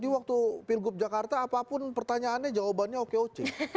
waktu pilgub jakarta apapun pertanyaannya jawabannya oke oke